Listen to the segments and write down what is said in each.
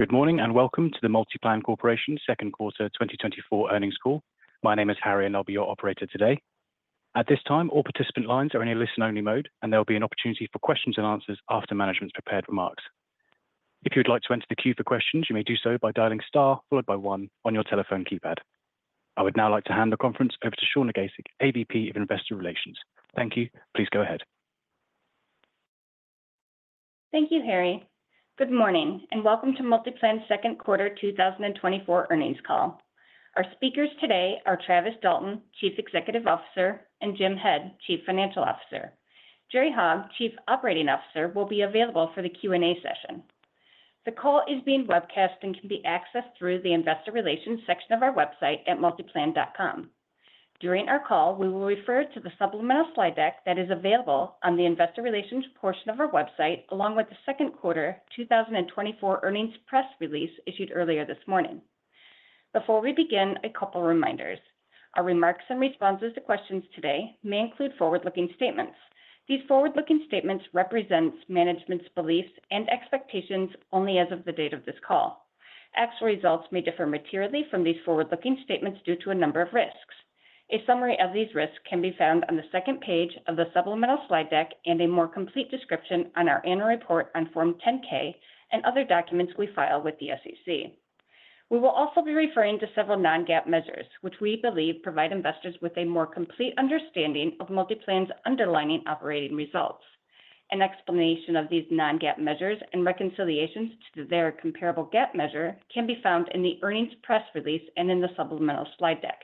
Good morning and welcome to the MultiPlan Corporation second quarter 2024 earnings call. My name is Harry and I'll be your operator today. At this time, all participant lines are in a listen-only mode, and there will be an opportunity for questions and answers after management's prepared remarks. If you would like to enter the queue for questions, you may do so by dialing star followed by one on your telephone keypad. I would now like to hand the conference over to Shawna Gasik, AVP of Investor Relations. Thank you, please go ahead. Thank you, Harry. Good morning and welcome to MultiPlan's second quarter 2024 earnings call. Our speakers today are Travis Dalton, Chief Executive Officer, and Jim Head, Chief Financial Officer. Jerry Hogge, Chief Operating Officer, will be available for the Q&A session. The call is being webcast and can be accessed through the Investor Relations section of our website at multiplan.com. During our call, we will refer to the supplemental slide deck that is available on the Investor Relations portion of our website, along with the second quarter 2024 earnings press release issued earlier this morning. Before we begin, a couple of reminders. Our remarks and responses to questions today may include forward-looking statements. These forward-looking statements represent management's beliefs and expectations only as of the date of this call. Actual results may differ materially from these forward-looking statements due to a number of risks. A summary of these risks can be found on the second page of the supplemental slide deck and a more complete description on our annual report on Form 10-K and other documents we file with the SEC. We will also be referring to several non-GAAP measures, which we believe provide investors with a more complete understanding of MultiPlan's underlying operating results. An explanation of these non-GAAP measures and reconciliations to their comparable GAAP measure can be found in the earnings press release and in the supplemental slide deck.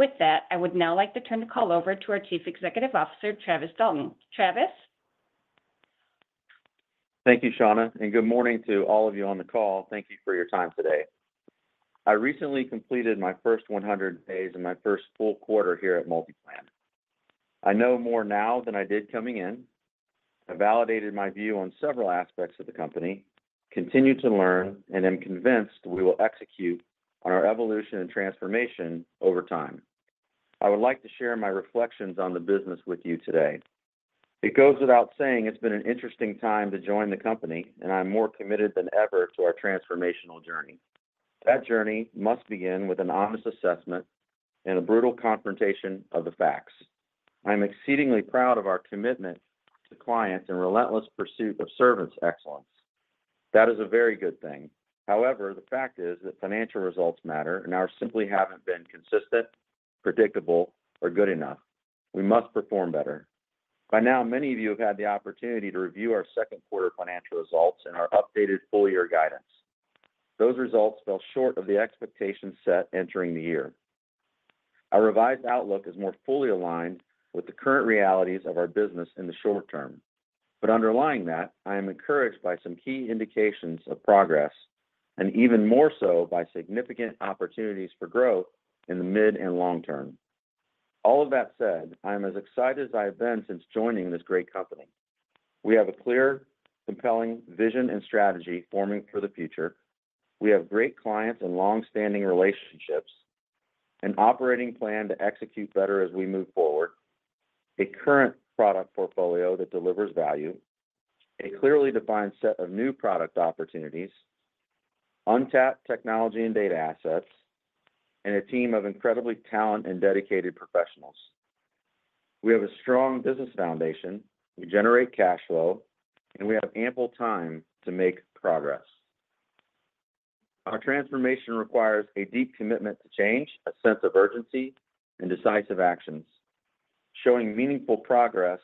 With that, I would now like to turn the call over to our Chief Executive Officer, Travis Dalton. Travis? Thank you, Shawna, and good morning to all of you on the call. Thank you for your time today. I recently completed my first 100 days and my first full quarter here at MultiPlan. I know more now than I did coming in. I validated my view on several aspects of the company, continued to learn, and am convinced we will execute on our evolution and transformation over time. I would like to share my reflections on the business with you today. It goes without saying it's been an interesting time to join the company, and I'm more committed than ever to our transformational journey. That journey must begin with an honest assessment and a brutal confrontation of the facts. I'm exceedingly proud of our commitment to clients and relentless pursuit of service excellence. That is a very good thing. However, the fact is that financial results matter and ours simply haven't been consistent, predictable, or good enough. We must perform better. By now, many of you have had the opportunity to review our second quarter financial results and our updated full-year guidance. Those results fell short of the expectations set entering the year. Our revised outlook is more fully aligned with the current realities of our business in the short term. But underlying that, I am encouraged by some key indications of progress and even more so by significant opportunities for growth in the mid and long term. All of that said, I am as excited as I have been since joining this great company. We have a clear, compelling vision and strategy forming for the future. We have great clients and long-standing relationships, an operating plan to execute better as we move forward, a current product portfolio that delivers value, a clearly defined set of new product opportunities, untapped technology and data assets, and a team of incredibly talented and dedicated professionals. We have a strong business foundation, we generate cash flow, and we have ample time to make progress. Our transformation requires a deep commitment to change, a sense of urgency, and decisive actions. Showing meaningful progress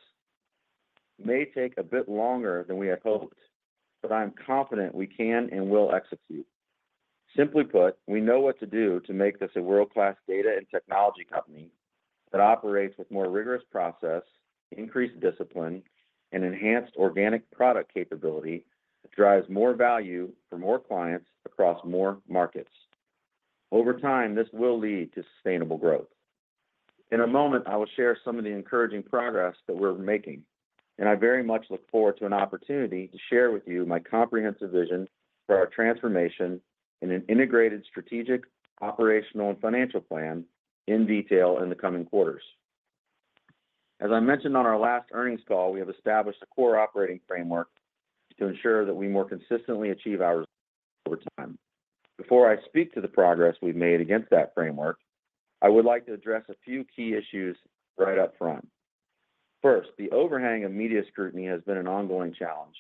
may take a bit longer than we had hoped, but I am confident we can and will execute. Simply put, we know what to do to make this a world-class data and technology company that operates with more rigorous process, increased discipline, and enhanced organic product capability that drives more value for more clients across more markets. Over time, this will lead to sustainable growth. In a moment, I will share some of the encouraging progress that we're making, and I very much look forward to an opportunity to share with you my comprehensive vision for our transformation and an integrated strategic, operational, and financial plan in detail in the coming quarters. As I mentioned on our last earnings call, we have established a core operating framework to ensure that we more consistently achieve our results over time. Before I speak to the progress we've made against that framework, I would like to address a few key issues right up front. First, the overhang of media scrutiny has been an ongoing challenge.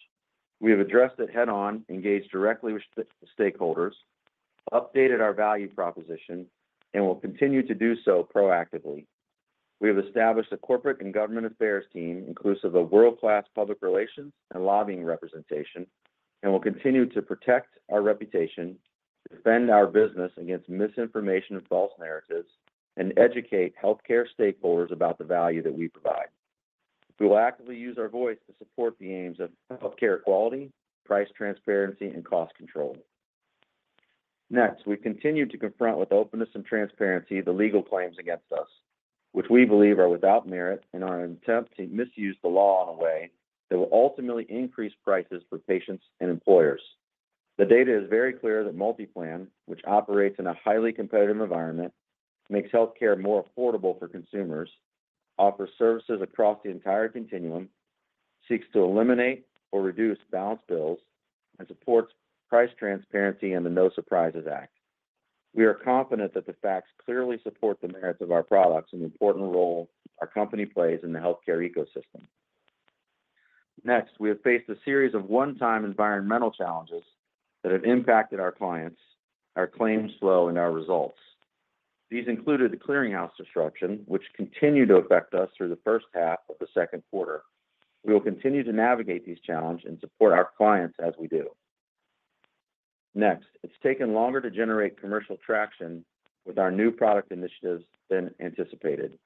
We have addressed it head-on, engaged directly with stakeholders, updated our value proposition, and will continue to do so proactively. We have established a corporate and government affairs team inclusive of world-class public relations and lobbying representation, and will continue to protect our reputation, defend our business against misinformation and false narratives, and educate healthcare stakeholders about the value that we provide. We will actively use our voice to support the aims of healthcare quality, price transparency, and cost control. Next, we've continued to confront with openness and transparency the legal claims against us, which we believe are without merit and are an attempt to misuse the law in a way that will ultimately increase prices for patients and employers. The data is very clear that MultiPlan, which operates in a highly competitive environment, makes healthcare more affordable for consumers, offers services across the entire continuum, seeks to eliminate or reduce balance bills, and supports price transparency and the No Surprises Act. We are confident that the facts clearly support the merits of our products and the important role our company plays in the healthcare ecosystem. Next, we have faced a series of one-time environmental challenges that have impacted our clients, our claims flow, and our results. These included the clearinghouse disruption, which continued to affect us through the first half of the second quarter. We will continue to navigate these challenges and support our clients as we do. Next, it's taken longer to generate commercial traction with our new product initiatives than anticipated.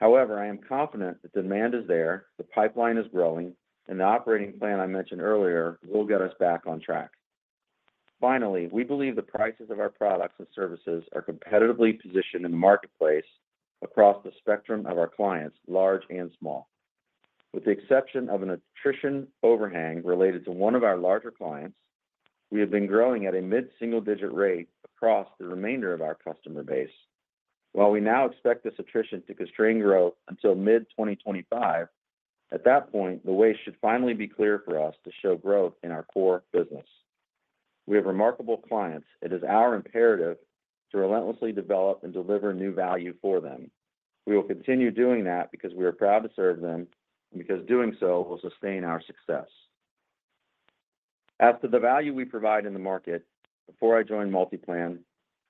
However, I am confident that demand is there, the pipeline is growing, and the operating plan I mentioned earlier will get us back on track. Finally, we believe the prices of our products and services are competitively positioned in the marketplace across the spectrum of our clients, large and small. With the exception of an attrition overhang related to one of our larger clients, we have been growing at a mid-single-digit rate across the remainder of our customer base. While we now expect this attrition to constrain growth until mid-2025, at that point, the way should finally be clear for us to show growth in our core business. We have remarkable clients. It is our imperative to relentlessly develop and deliver new value for them. We will continue doing that because we are proud to serve them and because doing so will sustain our success. As to the value we provide in the market, before I joined MultiPlan,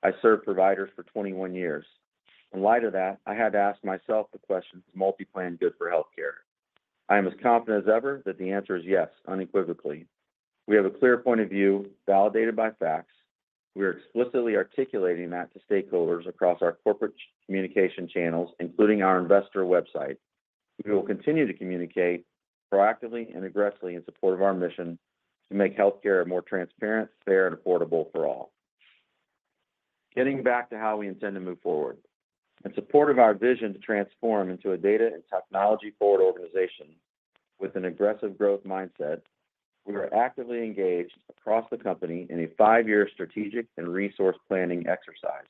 I served providers for 21 years. In light of that, I had to ask myself the question, "Is MultiPlan good for healthcare?" I am as confident as ever that the answer is yes, unequivocally. We have a clear point of view validated by facts. We are explicitly articulating that to stakeholders across our corporate communication channels, including our investor website. We will continue to communicate proactively and aggressively in support of our mission to make healthcare more transparent, fair, and affordable for all. Getting back to how we intend to move forward, in support of our vision to transform into a data and technology-forward organization with an aggressive growth mindset, we are actively engaged across the company in a five-year strategic and resource planning exercise.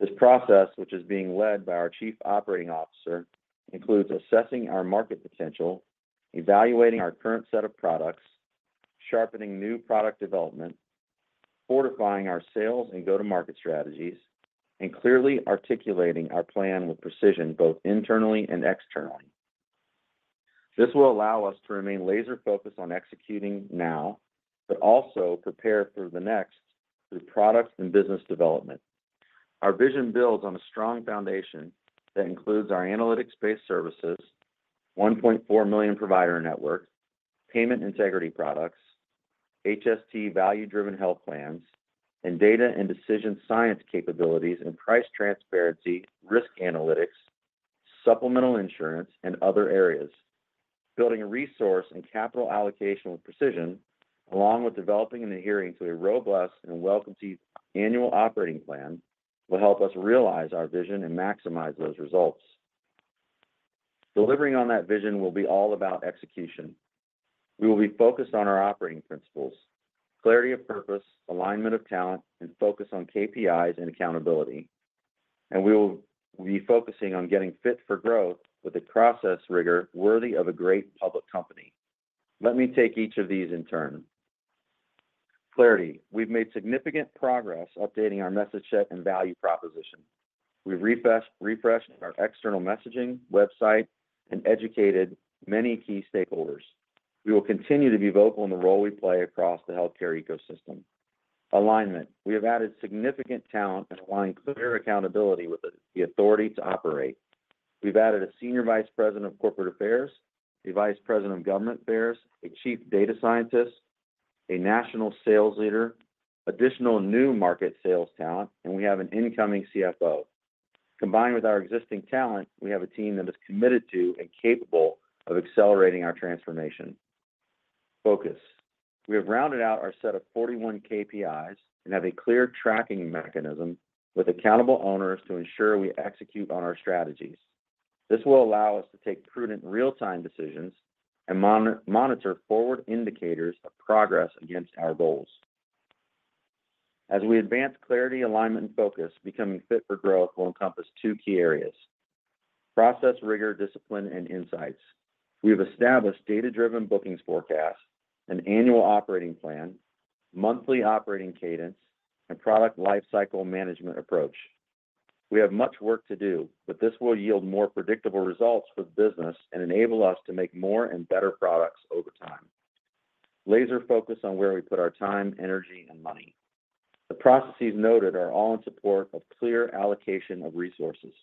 This process, which is being led by our Chief Operating Officer, includes assessing our market potential, evaluating our current set of products, sharpening new product development, fortifying our sales and go-to-market strategies, and clearly articulating our plan with precision both internally and externally. This will allow us to remain laser-focused on executing now, but also prepare for the next through product and business development. Our vision builds on a strong foundation that includes our analytics-based services, 1.4 million provider networks, payment integrity products, HST value-driven health plans, and data and decision science capabilities and price transparency, risk analytics, supplemental insurance, and other areas. Building resource and capital allocation with precision, along with developing and adhering to a robust and welcome-to-annual operating plan, will help us realize our vision and maximize those results. Delivering on that vision will be all about execution. We will be focused on our operating principles, clarity of purpose, alignment of talent, and focus on KPIs and accountability. We will be focusing on getting fit for growth with a process rigor worthy of a great public company. Let me take each of these in turn. Clarity, we've made significant progress updating our message set and value proposition. We've refreshed our external messaging, website, and educated many key stakeholders. We will continue to be vocal in the role we play across the healthcare ecosystem. Alignment, we have added significant talent and aligned clear accountability with the authority to operate. We've added a senior vice president of corporate affairs, a vice president of government affairs, a chief data scientist, a national sales leader, additional new market sales talent, and we have an incoming CFO. Combined with our existing talent, we have a team that is committed to and capable of accelerating our transformation. Focus, we have rounded out our set of 41 KPIs and have a clear tracking mechanism with accountable owners to ensure we execute on our strategies. This will allow us to take prudent real-time decisions and monitor forward indicators of progress against our goals. As we advance clarity, alignment, and focus, becoming fit for growth will encompass two key areas: process rigor, discipline, and insights. We have established data-driven bookings forecasts, an annual operating plan, monthly operating cadence, and product lifecycle management approach. We have much work to do, but this will yield more predictable results for the business and enable us to make more and better products over time. Laser-focused on where we put our time, energy, and money. The processes noted are all in support of clear allocation of resources.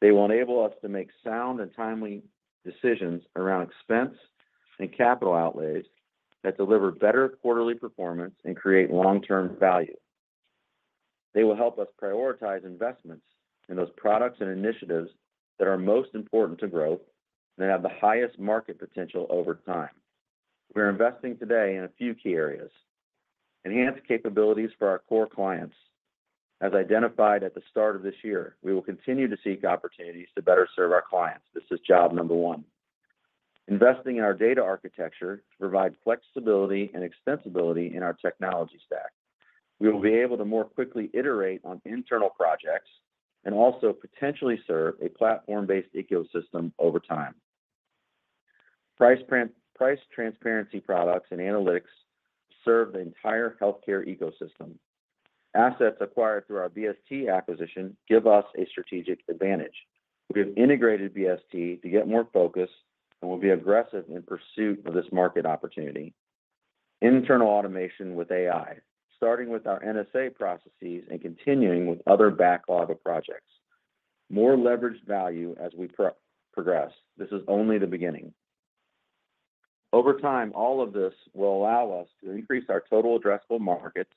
They will enable us to make sound and timely decisions around expense and capital outlays that deliver better quarterly performance and create long-term value. They will help us prioritize investments in those products and initiatives that are most important to growth and have the highest market potential over time. We are investing today in a few key areas. Enhanced capabilities for our core clients. As identified at the start of this year, we will continue to seek opportunities to better serve our clients. This is job number one. Investing in our data architecture to provide flexibility and extensibility in our technology stack. We will be able to more quickly iterate on internal projects and also potentially serve a platform-based ecosystem over time. Price transparency products and analytics serve the entire healthcare ecosystem. Assets acquired through our BST acquisition give us a strategic advantage. We have integrated BST to get more focus and will be aggressive in pursuit of this market opportunity. Internal automation with AI, starting with our NSA processes and continuing with other backlog of projects. More leveraged value as we progress. This is only the beginning. Over time, all of this will allow us to increase our total addressable markets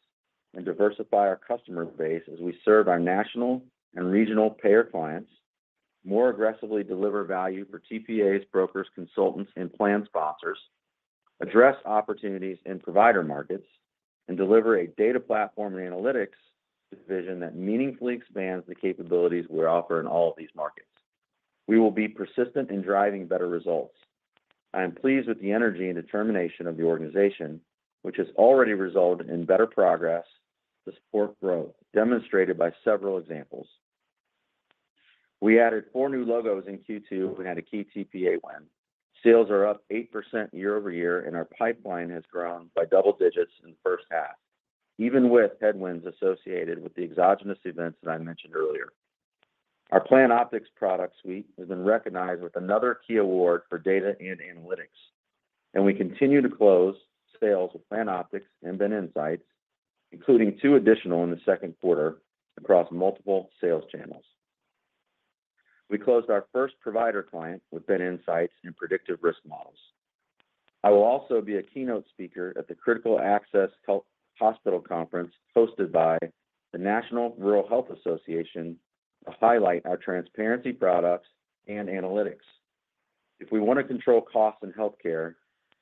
and diversify our customer base as we serve our national and regional payer clients, more aggressively deliver value for TPAs, brokers, consultants, and plan sponsors, address opportunities in provider markets, and deliver a data platform and analytics division that meaningfully expands the capabilities we offer in all of these markets. We will be persistent in driving better results. I am pleased with the energy and determination of the organization, which has already resulted in better progress to support growth demonstrated by several examples. We added four new logos in Q2 and had a key TPA win. Sales are up 8% year-over-year, and our pipeline has grown by double digits in the first half, even with headwinds associated with the exogenous events that I mentioned earlier. Our PlanOptix product suite has been recognized with another key award for data and analytics, and we continue to close sales with PlanOptix and BIN Insights, including two additional in the second quarter across multiple sales channels. We closed our first provider client with BIN Insights and predictive risk models. I will also be a keynote speaker at the Critical Access Hospital Conference hosted by the National Rural Health Association to highlight our transparency products and analytics. If we want to control costs in healthcare,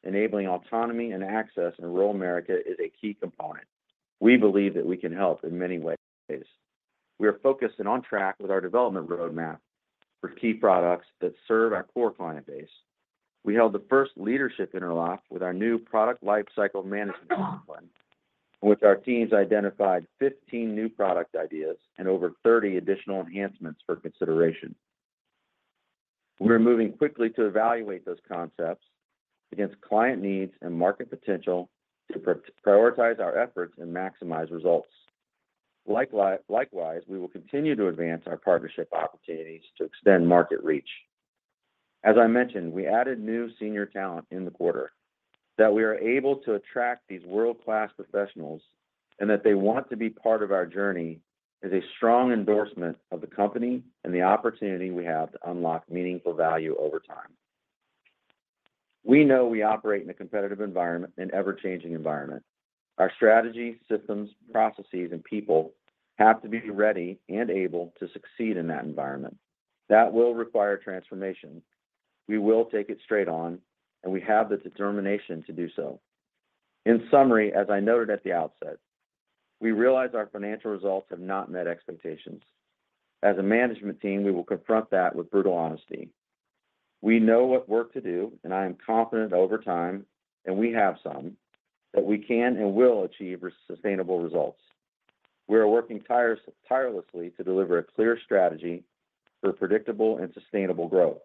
enabling autonomy and access in rural America is a key component. We believe that we can help in many ways. We are focused and on track with our development roadmap for key products that serve our core client base. We held the first leadership interlock with our new product lifecycle management plan, which our teams identified 15 new product ideas and over 30 additional enhancements for consideration. We are moving quickly to evaluate those concepts against client needs and market potential to prioritize our efforts and maximize results. Likewise, we will continue to advance our partnership opportunities to extend market reach. As I mentioned, we added new senior talent in the quarter. That we are able to attract these world-class professionals and that they want to be part of our journey is a strong endorsement of the company and the opportunity we have to unlock meaningful value over time. We know we operate in a competitive environment, an ever-changing environment. Our strategy, systems, processes, and people have to be ready and able to succeed in that environment. That will require transformation. We will take it straight on, and we have the determination to do so. In summary, as I noted at the outset, we realize our financial results have not met expectations. As a management team, we will confront that with brutal honesty. We know what work to do, and I am confident over time, and we have some, that we can and will achieve sustainable results. We are working tirelessly to deliver a clear strategy for predictable and sustainable growth.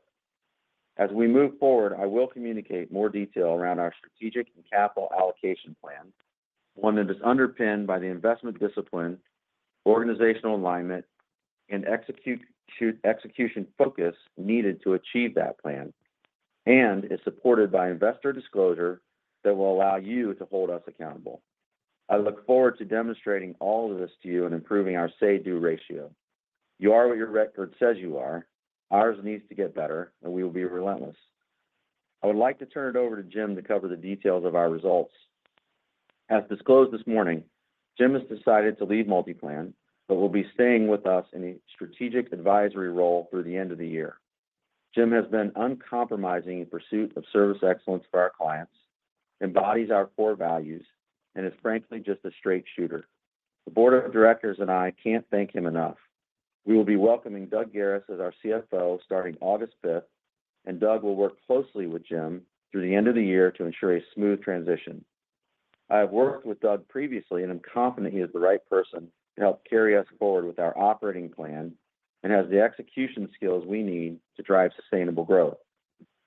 As we move forward, I will communicate more detail around our strategic and capital allocation plan, one that is underpinned by the investment discipline, organizational alignment, and execution focus needed to achieve that plan, and is supported by investor disclosure that will allow you to hold us accountable. I look forward to demonstrating all of this to you and improving our say-do ratio. You are what your record says you are. Ours needs to get better, and we will be relentless. I would like to turn it over to Jim to cover the details of our results. As disclosed this morning, Jim has decided to leave MultiPlan, but will be staying with us in a strategic advisory role through the end of the year. Jim has been uncompromising in pursuit of service excellence for our clients, embodies our core values, and is frankly just a straight shooter. The board of directors and I can't thank him enough. We will be welcoming Doug Garis as our CFO starting August 5th, and Doug will work closely with Jim through the end of the year to ensure a smooth transition. I have worked with Doug previously and am confident he is the right person to help carry us forward with our operating plan and has the execution skills we need to drive sustainable growth.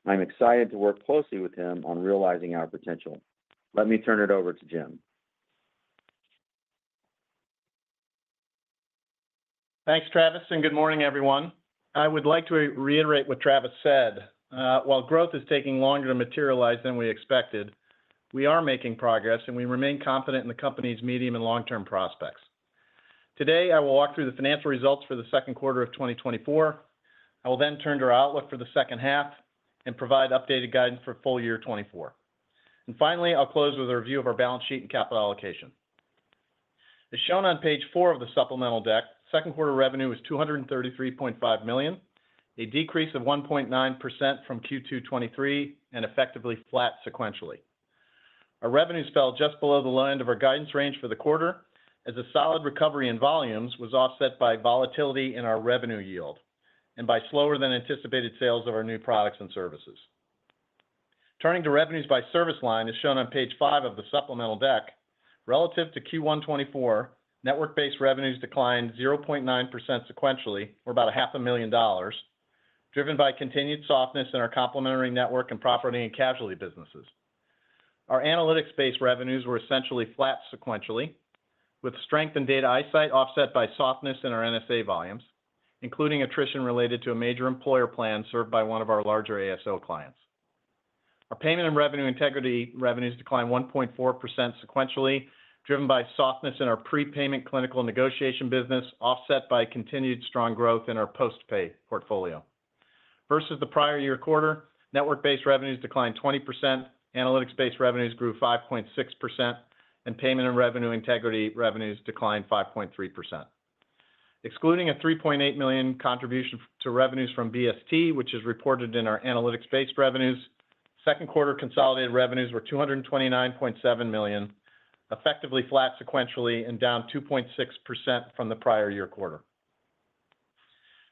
I'm excited to work closely with him on realizing our potential. Let me turn it over to Jim. Thanks, Travis, and good morning, everyone. I would like to reiterate what Travis said. While growth is taking longer to materialize than we expected, we are making progress, and we remain confident in the company's medium and long-term prospects. Today, I will walk through the financial results for the second quarter of 2024. I will then turn to our outlook for the second half and provide updated guidance for full year 2024. Finally, I'll close with a review of our balance sheet and capital allocation. As shown on page 4 of the supplemental deck, second quarter revenue was $233.5 million, a decrease of 1.9% from Q2 2023 and effectively flat sequentially. Our revenues fell just below the low end of our guidance range for the quarter, as a solid recovery in volumes was offset by volatility in our revenue yield and by slower-than-anticipated sales of our new products and services. Turning to revenues by service line as shown on page 5 of the supplemental deck, relative to Q1 2024, network-based revenues declined 0.9% sequentially, or about $500,000, driven by continued softness in our complementary network and property and casualty businesses. Our analytics-based revenues were essentially flat sequentially, with strength in Data iSight offset by softness in our NSA volumes, including attrition related to a major employer plan served by one of our larger ASO clients. Our payment and revenue integrity revenues declined 1.4% sequentially, driven by softness in our prepayment clinical negotiation business, offset by continued strong growth in our post-pay portfolio. Versus the prior year quarter, network-based revenues declined 20%, analytics-based revenues grew 5.6%, and payment and revenue integrity revenues declined 5.3%. Excluding a $3.8 million contribution to revenues from BST, which is reported in our analytics-based revenues, second quarter consolidated revenues were $229.7 million, effectively flat sequentially and down 2.6% from the prior year quarter.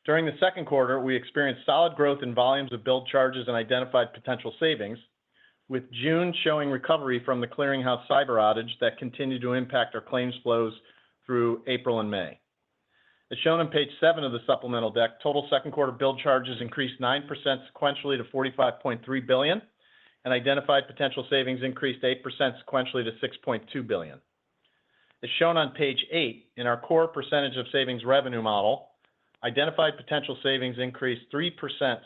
During the second quarter, we experienced solid growth in volumes of billed charges and identified potential savings, with June showing recovery from the clearinghouse cyber outage that continued to impact our claims flows through April and May. As shown on page seven of the supplemental deck, total second quarter billed charges increased 9% sequentially to $45.3 billion, and identified potential savings increased 8% sequentially to $6.2 billion. As shown on page 8, in our core percentage of savings revenue model, identified potential savings increased 3%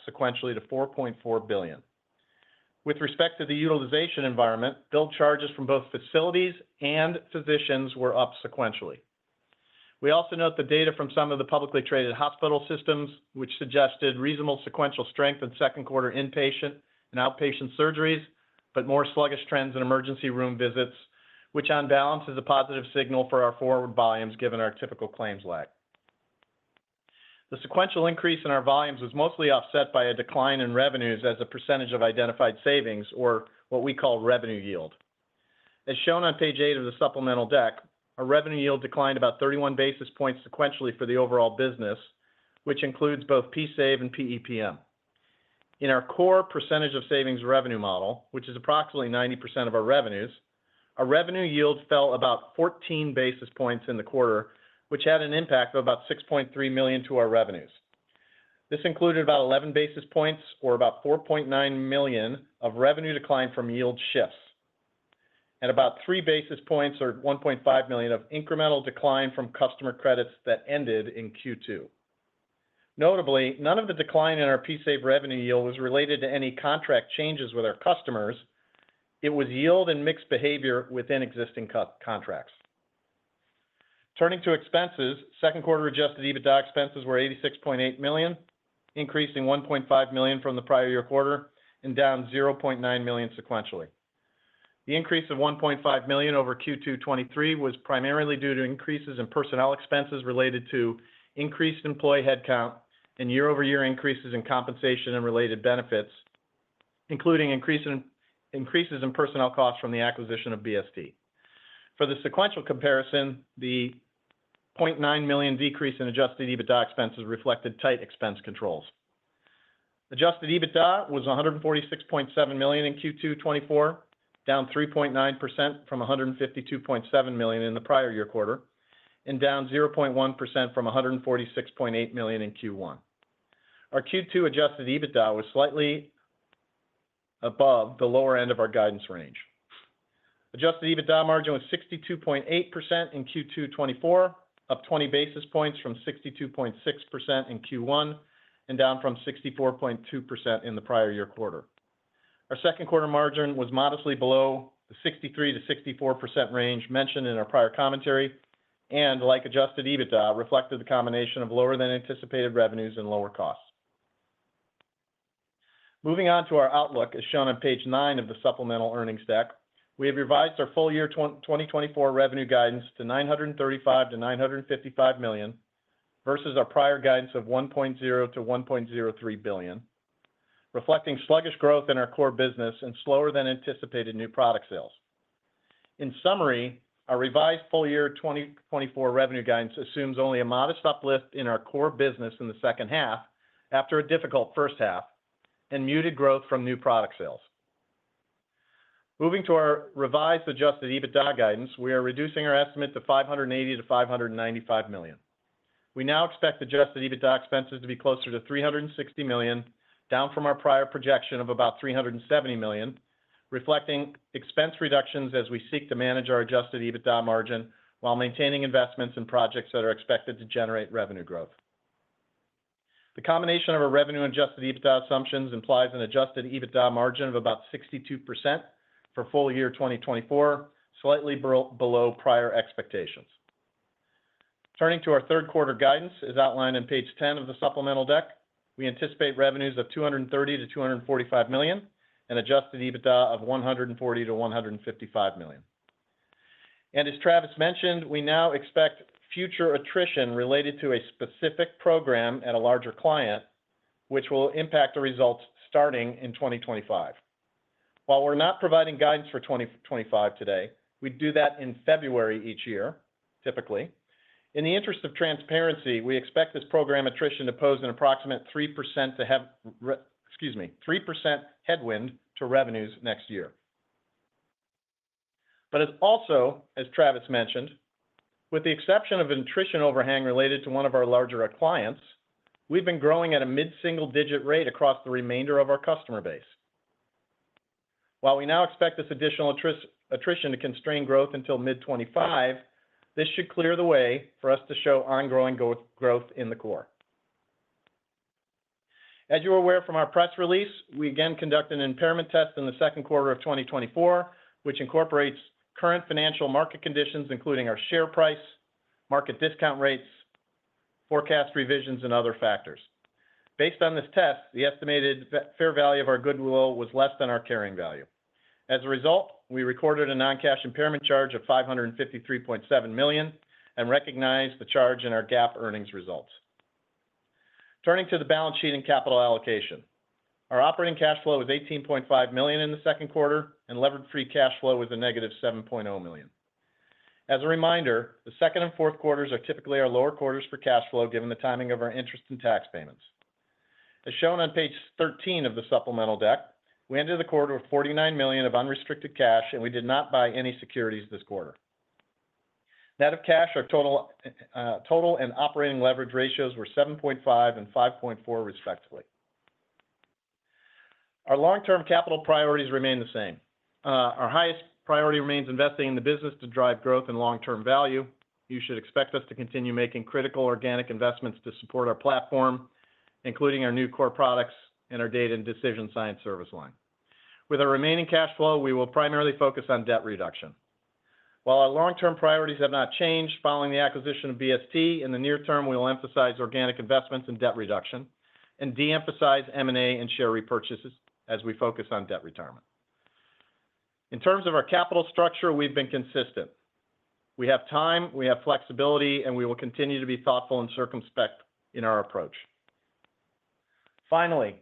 sequentially to $4.4 billion. With respect to the utilization environment, billed charges from both facilities and physicians were up sequentially. We also note the data from some of the publicly traded hospital systems, which suggested reasonable sequential strength in second quarter inpatient and outpatient surgeries, but more sluggish trends in emergency room visits, which on balance is a positive signal for our forward volumes given our typical claims lag. The sequential increase in our volumes was mostly offset by a decline in revenues as a percentage of identified savings, or what we call revenue yield. As shown on page 8 of the supplemental deck, our revenue yield declined about 31 basis points sequentially for the overall business, which includes both PSAVE and PEPM. In our core percentage of savings revenue model, which is approximately 90% of our revenues, our revenue yield fell about 14 basis points in the quarter, which had an impact of about $6.3 million to our revenues. This included about 11 basis points, or about $4.9 million of revenue decline from yield shifts, and about 3 basis points, or $1.5 million, of incremental decline from customer credits that ended in Q2. Notably, none of the decline in our PSAVE revenue yield was related to any contract changes with our customers. It was yield and mixed behavior within existing contracts. Turning to expenses, second quarter adjusted EBITDA expenses were $86.8 million, increasing $1.5 million from the prior year quarter and down $0.9 million sequentially. The increase of $1.5 million over Q223 was primarily due to increases in personnel expenses related to increased employee headcount and year-over-year increases in compensation and related benefits, including increases in personnel costs from the acquisition of BST. For the sequential comparison, the $0.9 million decrease in adjusted EBITDA expenses reflected tight expense controls. Adjusted EBITDA was $146.7 million in Q2 2024, down 3.9% from $152.7 million in the prior year quarter, and down 0.1% from $146.8 million in Q1. Our Q2 adjusted EBITDA was slightly above the lower end of our guidance range. Adjusted EBITDA margin was 62.8% in Q2 2024, up 20 basis points from 62.6% in Q1 and down from 64.2% in the prior year quarter. Our second quarter margin was modestly below the 63%-64% range mentioned in our prior commentary and, like adjusted EBITDA, reflected the combination of lower-than-anticipated revenues and lower costs. Moving on to our outlook, as shown on page nine of the supplemental earnings deck, we have revised our full year 2024 revenue guidance to $935 million-$955 million versus our prior guidance of $1.0 billion-$1.03 billion, reflecting sluggish growth in our core business and slower-than-anticipated new product sales. In summary, our revised full year 2024 revenue guidance assumes only a modest uplift in our core business in the second half after a difficult first half and muted growth from new product sales. Moving to our revised Adjusted EBITDA guidance, we are reducing our estimate to $580 million-$595 million. We now expect Adjusted EBITDA expenses to be closer to $360 million, down from our prior projection of about $370 million, reflecting expense reductions as we seek to manage our Adjusted EBITDA margin while maintaining investments in projects that are expected to generate revenue growth. The combination of our revenue and adjusted EBITDA assumptions implies an adjusted EBITDA margin of about 62% for full year 2024, slightly below prior expectations. Turning to our third quarter guidance, as outlined on page 10 of the supplemental deck, we anticipate revenues of $230 million-$245 million and adjusted EBITDA of $140 million-$155 million. And as Travis mentioned, we now expect future attrition related to a specific program at a larger client, which will impact the results starting in 2025. While we're not providing guidance for 2025 today, we do that in February each year, typically. In the interest of transparency, we expect this program attrition to pose an approximate 3% headwind to revenues next year. But also, as Travis mentioned, with the exception of an attrition overhang related to one of our larger clients, we've been growing at a mid-single-digit rate across the remainder of our customer base. While we now expect this additional attrition to constrain growth until mid-2025, this should clear the way for us to show ongoing growth in the core. As you're aware from our press release, we again conduct an impairment test in the second quarter of 2024, which incorporates current financial market conditions, including our share price, market discount rates, forecast revisions, and other factors. Based on this test, the estimated fair value of our goodwill was less than our carrying value. As a result, we recorded a non-cash impairment charge of $553.7 million and recognized the charge in our GAAP earnings results. Turning to the balance sheet and capital allocation, our operating cash flow was $18.5 million in the second quarter, and levered-free cash flow was a negative $7.0 million. As a reminder, the second and fourth quarters are typically our lower quarters for cash flow given the timing of our interest and tax payments. As shown on page 13 of the supplemental deck, we ended the quarter with $49 million of unrestricted cash, and we did not buy any securities this quarter. Net of cash, our total and operating leverage ratios were 7.5 and 5.4, respectively. Our long-term capital priorities remain the same. Our highest priority remains investing in the business to drive growth and long-term value. You should expect us to continue making critical organic investments to support our platform, including our new core products and our data and decision science service line. With our remaining cash flow, we will primarily focus on debt reduction. While our long-term priorities have not changed following the acquisition of BST, in the near term, we will emphasize organic investments and debt reduction and de-emphasize M&A and share repurchases as we focus on debt retirement. In terms of our capital structure, we've been consistent. We have time, we have flexibility, and we will continue to be thoughtful and circumspect in our approach. Finally,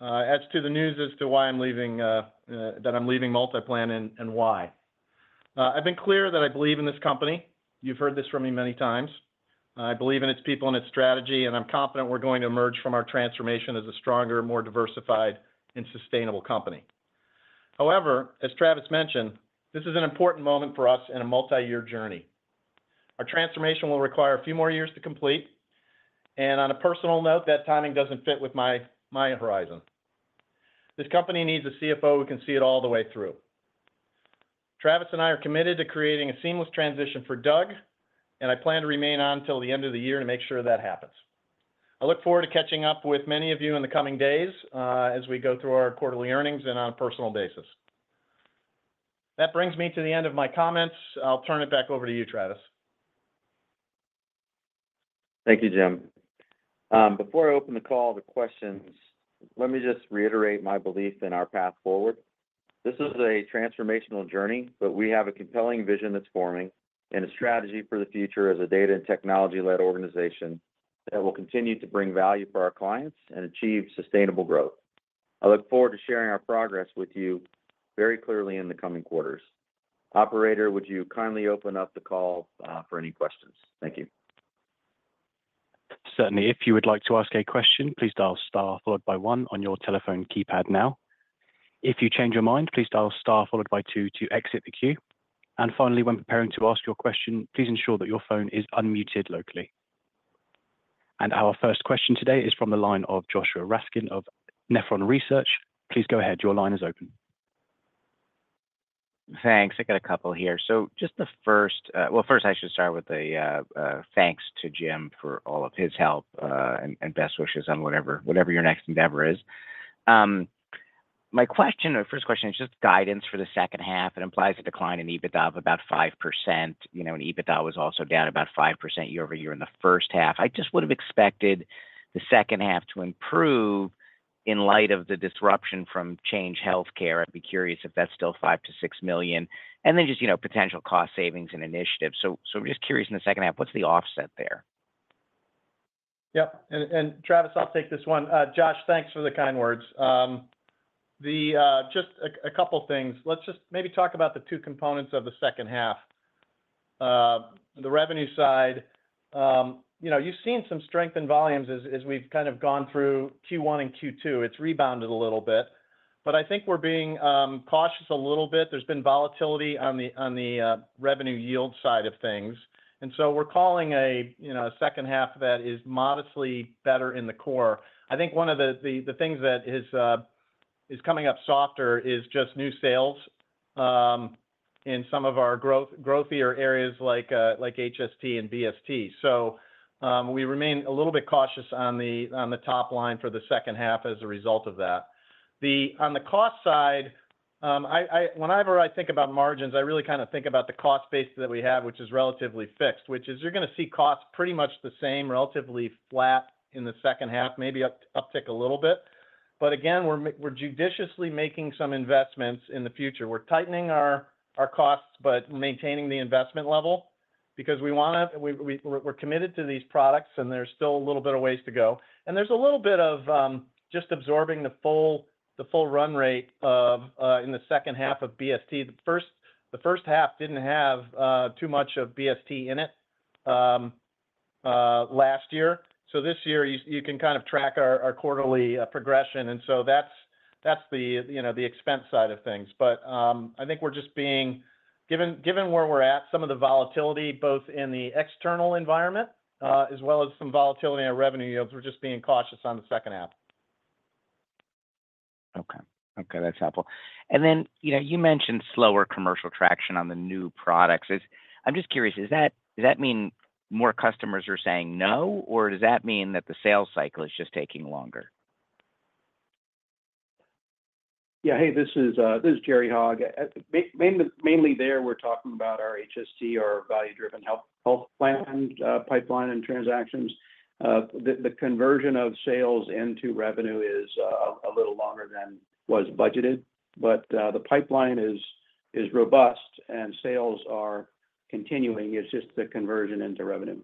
as to the news as to why I'm leaving that I'm leaving MultiPlan and why. I've been clear that I believe in this company. You've heard this from me many times. I believe in its people and its strategy, and I'm confident we're going to emerge from our transformation as a stronger, more diversified, and sustainable company. However, as Travis mentioned, this is an important moment for us in a multi-year journey. Our transformation will require a few more years to complete. On a personal note, that timing doesn't fit with my horizon. This company needs a CFO who can see it all the way through. Travis and I are committed to creating a seamless transition for Doug, and I plan to remain on until the end of the year to make sure that happens. I look forward to catching up with many of you in the coming days as we go through our quarterly earnings and on a personal basis. That brings me to the end of my comments. I'll turn it back over to you, Travis. Thank you, Jim. Before I open the call to questions, let me just reiterate my belief in our path forward. This is a transformational journey, but we have a compelling vision that's forming and a strategy for the future as a data and technology-led organization that will continue to bring value for our clients and achieve sustainable growth. I look forward to sharing our progress with you very clearly in the coming quarters. Operator, would you kindly open up the call for any questions? Thank you. Certainly, if you would like to ask a question, please dial star followed by one on your telephone keypad now. If you change your mind, please dial star followed by two to exit the queue. And finally, when preparing to ask your question, please ensure that your phone is unmuted locally. And our first question today is from the line of Joshua Raskin of Nephron Research. Please go ahead. Your line is open. Thanks. I got a couple here. So just the first, first, I should start with a thanks to Jim for all of his help and best wishes on whatever your next endeavor is. My question, my first question is just guidance for the second half. It implies a decline in EBITDA of about 5%. And EBITDA was also down about 5% year-over-year in the first half. I just would have expected the second half to improve in light of the disruption from Change Healthcare. I'd be curious if that's still $5-$6 million. And then just potential cost savings and initiatives. So I'm just curious in the second half, what's the offset there? Yep. And Travis, I'll take this one. Josh, thanks for the kind words. Just a couple of things. Let's just maybe talk about the two components of the second half. The revenue side, you've seen some strength in volumes as we've kind of gone through Q1 and Q2. It's rebounded a little bit. But I think we're being cautious a little bit. There's been volatility on the revenue yield side of things. And so we're calling a second half that is modestly better in the core. I think one of the things that is coming up softer is just new sales in some of our growthier areas like HST and BST. So we remain a little bit cautious on the top line for the second half as a result of that. On the cost side, whenever I think about margins, I really kind of think about the cost base that we have, which is relatively fixed, which is you're going to see costs pretty much the same, relatively flat in the second half, maybe uptick a little bit. But again, we're judiciously making some investments in the future. We're tightening our costs but maintaining the investment level because we're committed to these products, and there's still a little bit of ways to go. And there's a little bit of just absorbing the full run rate in the second half of BST. The first half didn't have too much of BST in it last year. So this year, you can kind of track our quarterly progression. And so that's the expense side of things. But I think we're just being given where we're at, some of the volatility, both in the external environment as well as some volatility in our revenue yields, we're just being cautious on the second half. Okay. Okay. That's helpful. And then you mentioned slower commercial traction on the new products. I'm just curious, does that mean more customers are saying no, or does that mean that the sales cycle is just taking longer? Yeah. Hey, this is Jerry Hogge. Mainly there, we're talking about our HST, our value-driven health plan, pipeline, and transactions. The conversion of sales into revenue is a little longer than was budgeted. But the pipeline is robust, and sales are continuing. It's just the conversion into revenue.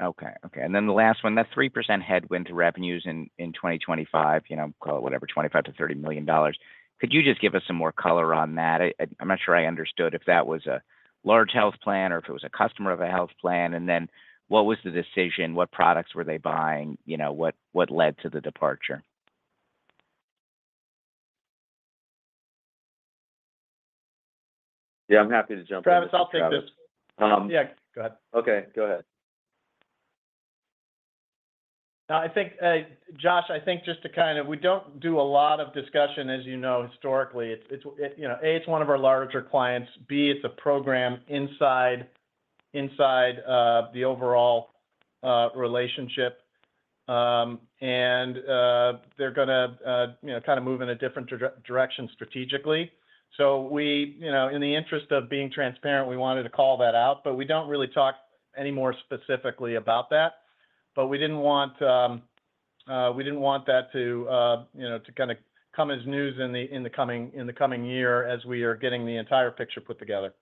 Okay. Okay. And then the last one, that 3% headwind to revenues in 2025, call it whatever, $25 million-$30 million. Could you just give us some more color on that? I'm not sure I understood if that was a large health plan or if it was a customer of a health plan. And then what was the decision? What products were they buying? What led to the departure? Yeah. I'm happy to jump in. Travis, I'll take this. Yeah. Go ahead. Okay. Go ahead. Josh, I think just to kind of we don't do a lot of discussion, as you know, historically. A, it's one of our larger clients. B, it's a program inside the overall relationship. And they're going to kind of move in a different direction strategically. So in the interest of being transparent, we wanted to call that out. But we don't really talk any more specifically about that. But we didn't want that to kind of come as news in the coming year as we are getting the entire picture put together.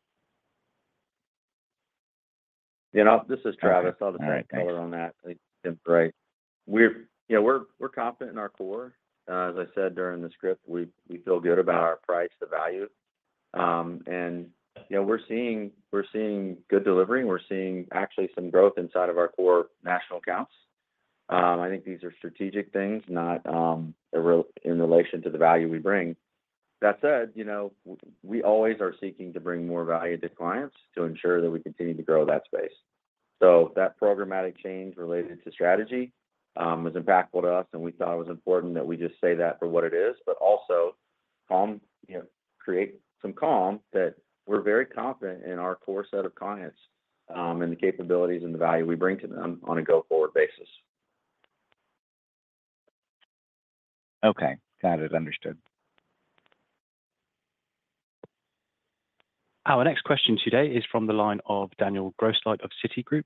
This is Travis. I'll just add color on that. It's been great. We're confident in our core. As I said during the script, we feel good about our price, the value. And we're seeing good delivery. We're seeing actually some growth inside of our core national accounts. I think these are strategic things, not in relation to the value we bring. That said, we always are seeking to bring more value to clients to ensure that we continue to grow that space. So that programmatic change related to strategy was impactful to us, and we thought it was important that we just say that for what it is, but also create some calm that we're very confident in our core set of clients and the capabilities and the value we bring to them on a go-forward basis. Okay. Got it. Understood. Our next question today is from the line of Daniel Grosslight of Citigroup.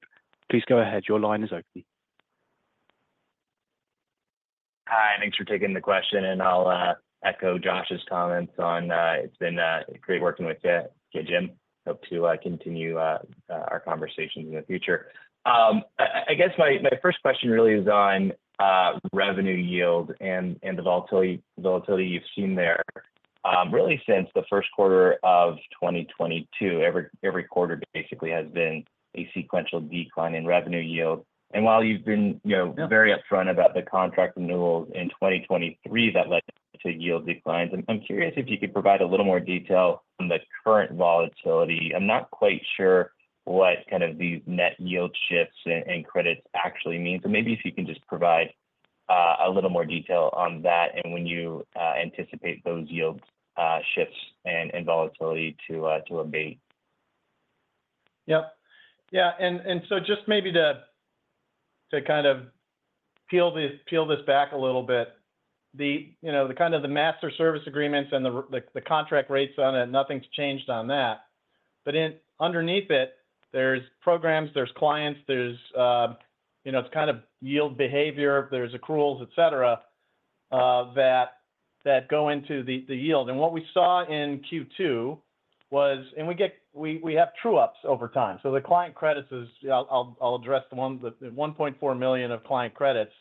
Please go ahead. Your line is open. Hi. Thanks for taking the question. And I'll echo Josh's comments on it's been great working with you, Jim. Hope to continue our conversations in the future. I guess my first question really is on revenue yield and the volatility you've seen there. Really, since the first quarter of 2022, every quarter basically has been a sequential decline in revenue yield. And while you've been very upfront about the contract renewals in 2023 that led to yield declines, I'm curious if you could provide a little more detail on the current volatility. I'm not quite sure what kind of these net yield shifts and credits actually mean. So maybe if you can just provide a little more detail on that and when you anticipate those yield shifts and volatility to abate. Yep. Yeah. And so just maybe to kind of peel this back a little bit, the kind of the master service agreements and the contract rates on it, nothing's changed on that. But underneath it, there's programs, there's clients, there's, it's kind of yield behavior. There's accruals, etc., that go into the yield. And what we saw in Q2 was and we have true-ups over time. So the client credits, I'll address the $1.4 million of client credits.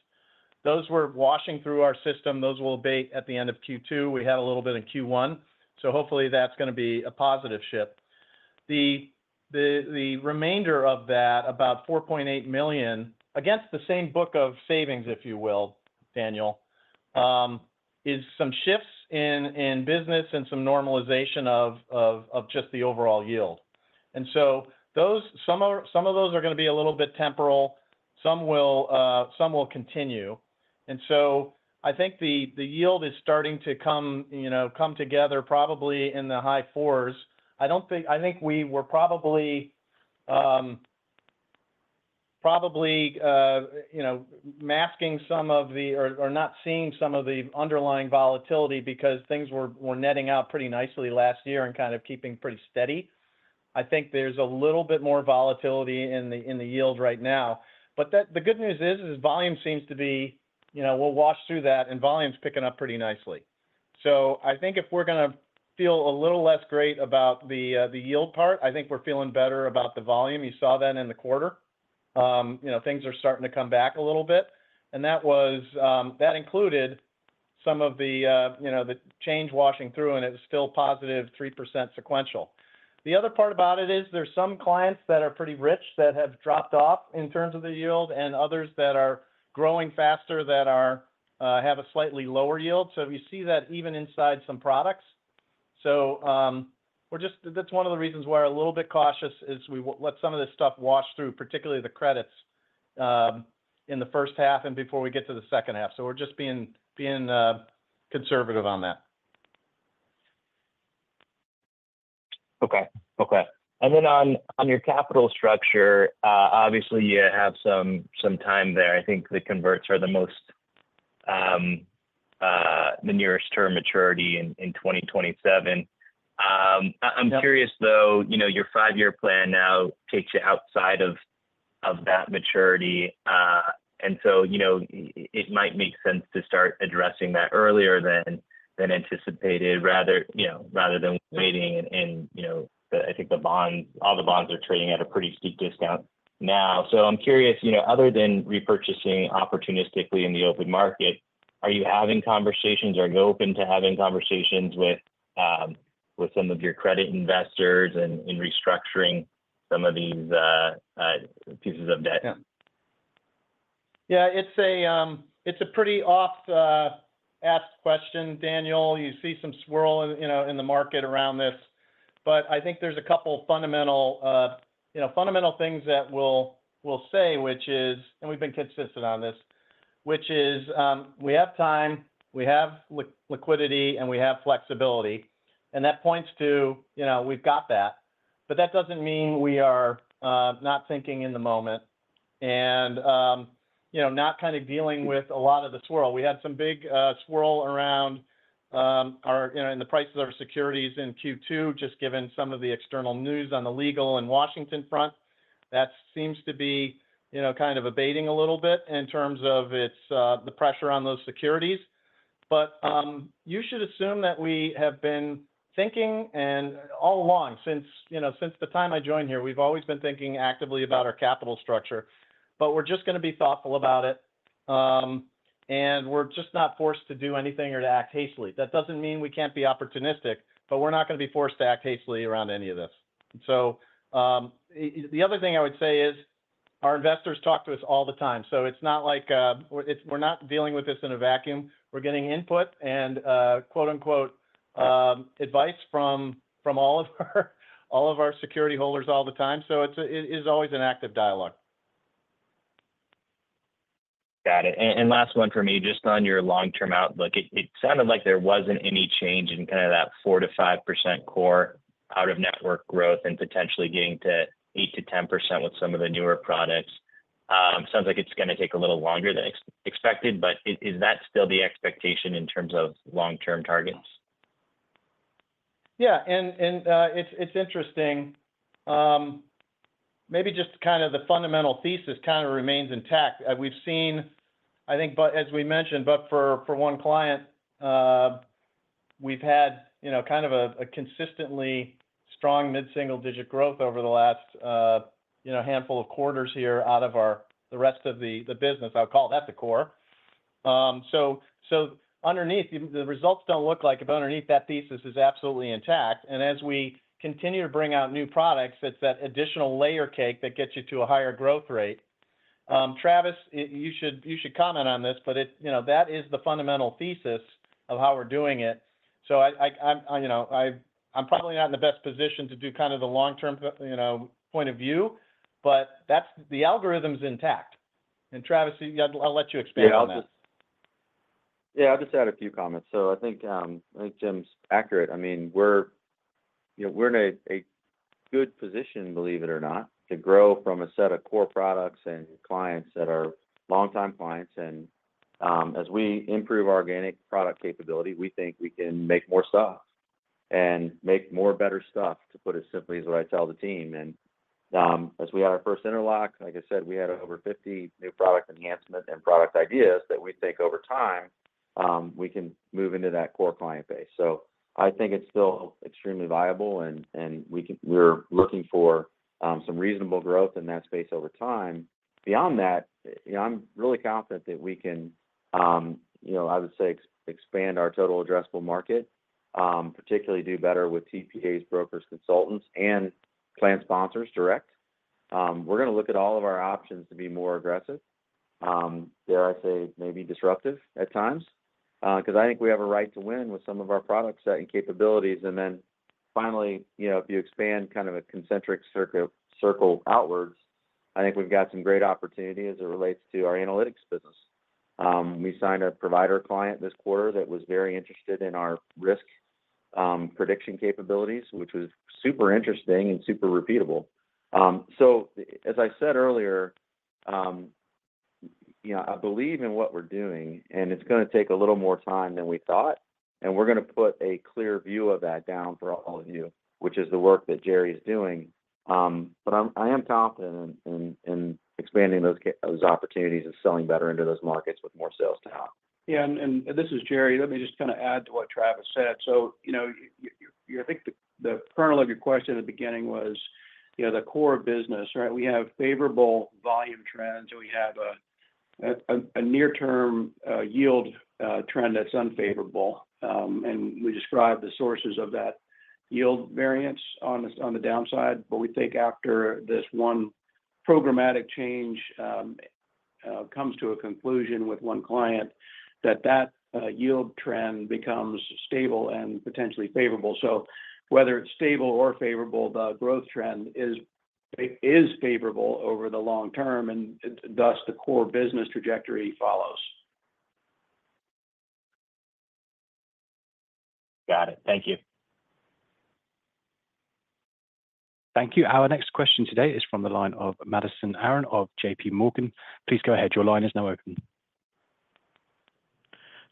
Those were washing through our system. Those will abate at the end of Q2. We had a little bit in Q1. So hopefully, that's going to be a positive shift. The remainder of that, about $4.8 million, against the same book of savings, if you will, Daniel, is some shifts in business and some normalization of just the overall yield. And so some of those are going to be a little bit temporal. Some will continue. And so I think the yield is starting to come together probably in the high fours. I think we were probably masking some of the, or not seeing some of the underlying volatility because things were netting out pretty nicely last year and kind of keeping pretty steady. I think there's a little bit more volatility in the yield right now. But the good news is volume seems to be. We'll wash through that, and volume's picking up pretty nicely. So I think if we're going to feel a little less great about the yield part, I think we're feeling better about the volume. You saw that in the quarter. Things are starting to come back a little bit. And that included some of the change washing through, and it was still positive 3% sequential. The other part about it is there's some clients that are pretty rich that have dropped off in terms of the yield and others that are growing faster that have a slightly lower yield. So we see that even inside some products. So that's one of the reasons why we're a little bit cautious is we let some of this stuff wash through, particularly the credits in the first half and before we get to the second half. So we're just being conservative on that. Okay. Okay. And then on your capital structure, obviously, you have some time there. I think the converts are the most the nearest term maturity in 2027. I'm curious, though, your five-year plan now takes you outside of that maturity. And so it might make sense to start addressing that earlier than anticipated, rather than waiting. I think all the bonds are trading at a pretty steep discount now. I'm curious, other than repurchasing opportunistically in the open market, are you having conversations or are you open to having conversations with some of your credit investors in restructuring some of these pieces of debt? Yeah. It's a pretty oft-asked question, Daniel. You see some swirl in the market around this. I think there's a couple of fundamental things that we'll say, which is and we've been consistent on this, which is we have time, we have liquidity, and we have flexibility. That points to we've got that. That doesn't mean we are not thinking in the moment and not kind of dealing with a lot of the swirl. We had some big swirl around in the prices of our securities in Q2, just given some of the external news on the legal and Washington front. That seems to be kind of abating a little bit in terms of the pressure on those securities. But you should assume that we have been thinking all along. Since the time I joined here, we've always been thinking actively about our capital structure. But we're just going to be thoughtful about it. And we're just not forced to do anything or to act hastily. That doesn't mean we can't be opportunistic, but we're not going to be forced to act hastily around any of this. So the other thing I would say is our investors talk to us all the time. So it's not like we're not dealing with this in a vacuum. We're getting input and "advice" from all of our security holders all the time. So it is always an active dialogue. Got it. And last one for me, just on your long-term outlook. It sounded like there wasn't any change in kind of that 4%-5% core out-of-network growth and potentially getting to 8%-10% with some of the newer products. Sounds like it's going to take a little longer than expected. But is that still the expectation in terms of long-term targets? Yeah. And it's interesting. Maybe just kind of the fundamental thesis kind of remains intact. I think, as we mentioned, but for one client, we've had kind of a consistently strong mid-single-digit growth over the last handful of quarters here out of the rest of the business. I'll call that the core. So underneath, the results don't look like it, but underneath, that thesis is absolutely intact. And as we continue to bring out new products, it's that additional layer cake that gets you to a higher growth rate. Travis, you should comment on this, but that is the fundamental thesis of how we're doing it. So I'm probably not in the best position to do kind of the long-term point of view, but the algorithm's intact. And Travis, I'll let you expand on that. Yeah. I'll just add a few comments. So I think Jim's accurate. I mean, we're in a good position, believe it or not, to grow from a set of core products and clients that are long-time clients. And as we improve our organic product capability, we think we can make more stuff and make more better stuff, to put it simply, is what I tell the team. As we had our first interlock, like I said, we had over 50 new product enhancements and product ideas that we think over time we can move into that core client base. So I think it's still extremely viable, and we're looking for some reasonable growth in that space over time. Beyond that, I'm really confident that we can, I would say, expand our total addressable market, particularly do better with TPAs, brokers, consultants, and plan sponsors direct. We're going to look at all of our options to be more aggressive. Dare I say, maybe disruptive at times, because I think we have a right to win with some of our products and capabilities. And then finally, if you expand kind of a concentric circle outwards, I think we've got some great opportunity as it relates to our analytics business. We signed a provider client this quarter that was very interested in our risk prediction capabilities, which was super interesting and super repeatable. So as I said earlier, I believe in what we're doing, and it's going to take a little more time than we thought. And we're going to put a clear view of that down for all of you, which is the work that Jerry is doing. But I am confident in expanding those opportunities and selling better into those markets with more sales to have. Yeah. And this is Jerry. Let me just kind of add to what Travis said. So I think the kernel of your question at the beginning was the core of business, right? We have favorable volume trends. We have a near-term yield trend that's unfavorable. And we described the sources of that yield variance on the downside. But we think after this one programmatic change comes to a conclusion with one client, that that yield trend becomes stable and potentially favorable. So whether it's stable or favorable, the growth trend is favorable over the long term, and thus the core business trajectory follows. Got it. Thank you. Thank you. Our next question today is from the line of Madison Ahern of J.P. Morgan. Please go ahead. Your line is now open.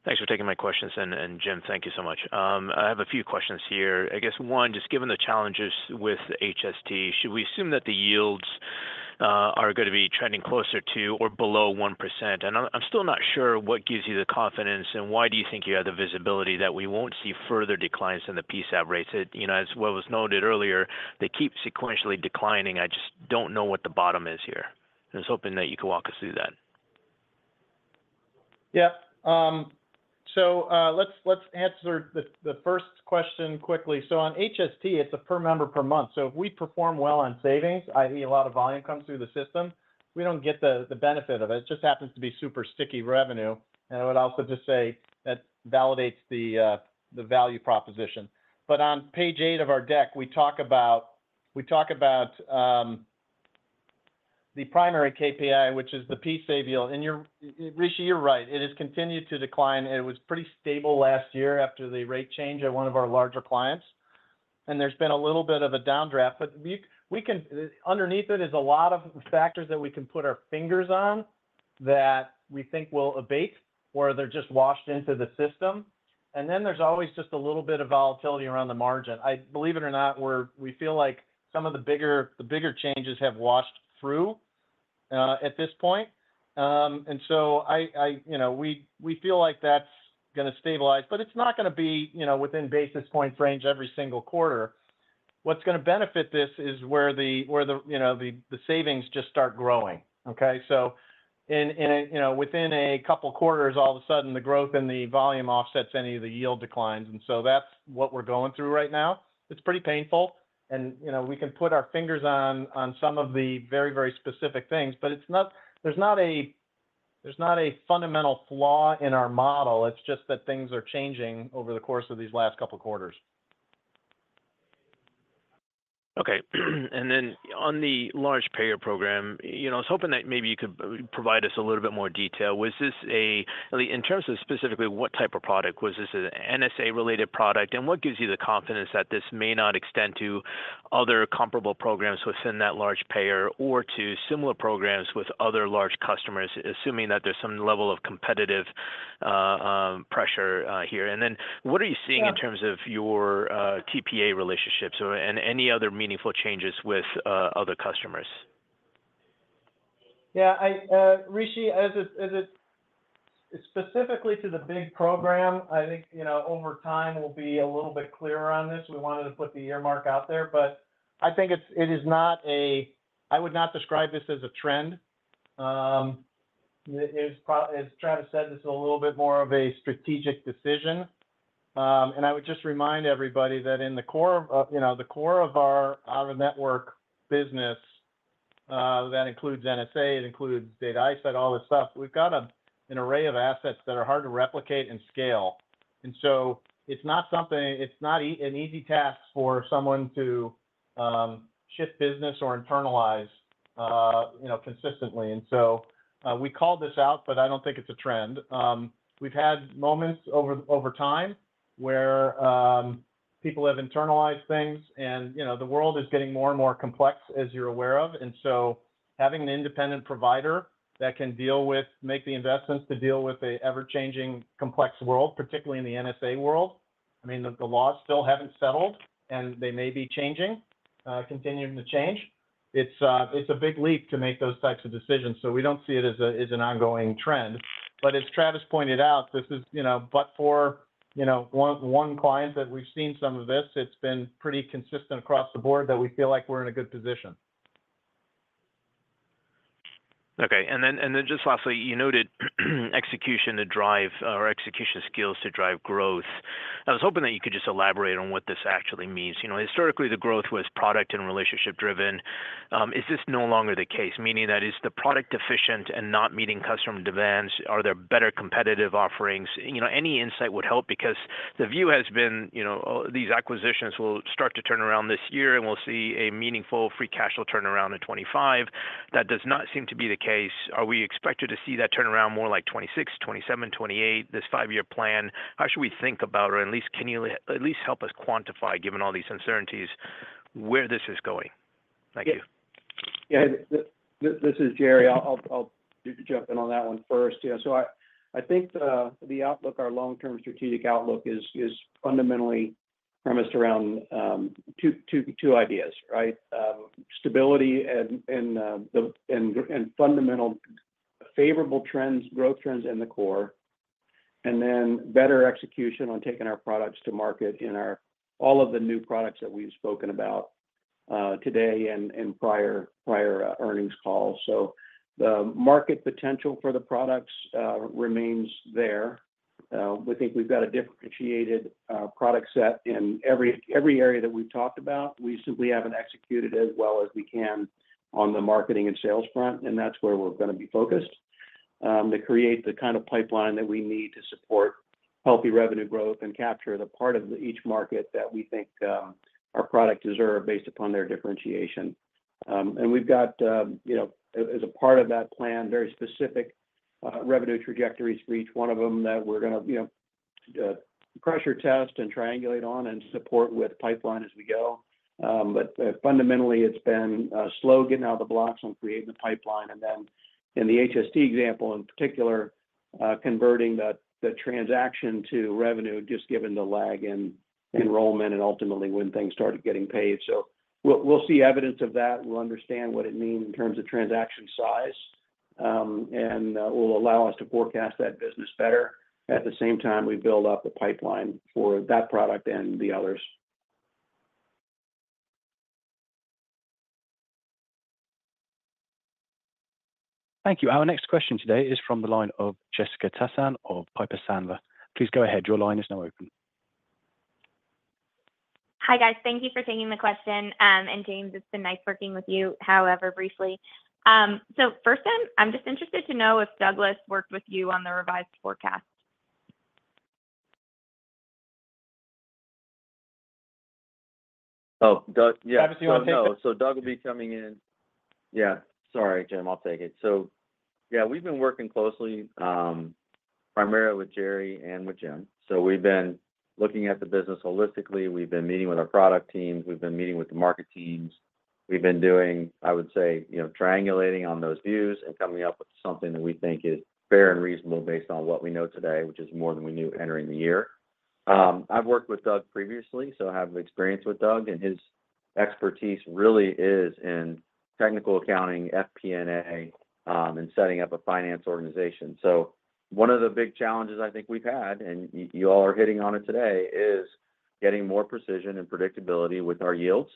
Thanks for taking my questions. And Jim, thank you so much. I have a few questions here. I guess one, just given the challenges with HST, should we assume that the yields are going to be trending closer to or below 1%? And I'm still not sure what gives you the confidence, and why do you think you have the visibility that we won't see further declines in the PSAVE rates? As was noted earlier, they keep sequentially declining. I just don't know what the bottom is here. I was hoping that you could walk us through that. Yeah. So let's answer the first question quickly. So on HST, it's a per member per month. So if we perform well on savings, i.e., a lot of volume comes through the system, we don't get the benefit of it. It just happens to be super sticky revenue. And I would also just say that validates the value proposition. But on page 8 of our deck, we talk about the primary KPI, which is the PSAVE yield. And Rishi, you're right. It has continued to decline. It was pretty stable last year after the rate change at one of our larger clients. And there's been a little bit of a downdraft. But underneath it is a lot of factors that we can put our fingers on that we think will abate, or they're just washed into the system. And then there's always just a little bit of volatility around the margin. I believe it or not, we feel like some of the bigger changes have washed through at this point. And so we feel like that's going to stabilize, but it's not going to be within basis points range every single quarter. What's going to benefit this is where the savings just start growing. Okay? So within a couple of quarters, all of a sudden, the growth and the volume offsets any of the yield declines. And so that's what we're going through right now. It's pretty painful. And we can put our fingers on some of the very, very specific things, but there's not a fundamental flaw in our model. It's just that things are changing over the course of these last couple of quarters. Okay. And then on the large payer program, I was hoping that maybe you could provide us a little bit more detail. In terms of specifically what type of product, was this an NSA-related product? And what gives you the confidence that this may not extend to other comparable programs within that large payer or to similar programs with other large customers, assuming that there's some level of competitive pressure here? And then what are you seeing in terms of your TPA relationships and any other meaningful changes with other customers? Yeah. Rishi, specifically to the big program, I think over time we'll be a little bit clearer on this. We wanted to put the earmark out there. But I think it is not. I would not describe this as a trend. As Travis said, this is a little bit more of a strategic decision. And I would just remind everybody that in the core of our network business, that includes NSA, it includes Data iSight, all this stuff, we've got an array of assets that are hard to replicate and scale. And so it's not an easy task for someone to shift business or internalize consistently. And so we call this out, but I don't think it's a trend. We've had moments over time where people have internalized things. And the world is getting more and more complex, as you're aware of. And so having an independent provider that can make the investments to deal with an ever-changing, complex world, particularly in the NSA world, I mean, the laws still haven't settled, and they may be changing, continuing to change. It's a big leap to make those types of decisions. So we don't see it as an ongoing trend. But as Travis pointed out, this is but for one client that we've seen some of this. It's been pretty consistent across the board that we feel like we're in a good position. Okay. And then just lastly, you noted execution to drive or execution skills to drive growth. I was hoping that you could just elaborate on what this actually means. Historically, the growth was product and relationship-driven. Is this no longer the case? Meaning that is the product efficient and not meeting customer demands? Are there better competitive offerings? Any insight would help because the view has been these acquisitions will start to turn around this year, and we'll see a meaningful free cash flow turnaround in 2025. That does not seem to be the case. Are we expected to see that turnaround more like 2026, 2027, 2028, this five-year plan? How should we think about, or at least can you at least help us quantify, given all these uncertainties, where this is going? Thank you. Yeah. This is Jerry. I'll jump in on that one first. So I think the outlook, our long-term strategic outlook, is fundamentally premised around two ideas, right? Stability and fundamental favorable trends, growth trends in the core, and then better execution on taking our products to market in all of the new products that we've spoken about today and prior earnings calls. So the market potential for the products remains there. We think we've got a differentiated product set in every area that we've talked about. We simply haven't executed as well as we can on the marketing and sales front, and that's where we're going to be focused to create the kind of pipeline that we need to support healthy revenue growth and capture the part of each market that we think our product deserves based upon their differentiation. And we've got, as a part of that plan, very specific revenue trajectories for each one of them that we're going to pressure test and triangulate on and support with pipeline as we go. But fundamentally, it's been a slow getting out of the blocks on creating the pipeline. And then in the HST example, in particular, converting the transaction to revenue just given the lag in enrollment and ultimately when things started getting paid. So we'll see evidence of that. We'll understand what it means in terms of transaction size, and it will allow us to forecast that business better. At the same time, we build up the pipeline for that product and the others. Thank you. Our next question today is from the line of Jessica Tassan of Piper Sandler. Please go ahead. Your line is now open. Hi, guys. Thank you for taking the question. And James, it's been nice working with you, however briefly. So first, I'm just interested to know if Douglas worked with you on the revised forecast. Oh, Doug. Yeah. So Doug will be coming in. Yeah. Sorry, Jim. I'll take it. So yeah, we've been working closely primarily with Jerry and with Jim. So we've been looking at the business holistically. We've been meeting with our product teams. We've been meeting with the market teams. We've been doing, I would say, triangulating on those views and coming up with something that we think is fair and reasonable based on what we know today, which is more than we knew entering the year. I've worked with Doug previously, so I have experience with Doug. His expertise really is in technical accounting, FP&A, and setting up a finance organization. One of the big challenges I think we've had, and you all are hitting on it today, is getting more precision and predictability with our yields